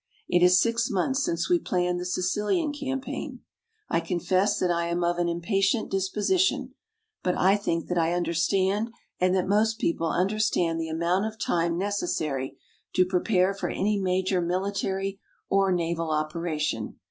It is six months since we planned the Sicilian campaign. I confess that I am of an impatient disposition, but I think that I understand and that most people understand the amount of time necessary to prepare for any major military or naval operation.